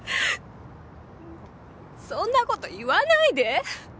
そんな事言わないで。